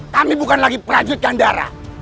kami bukan lagi prajurit gandara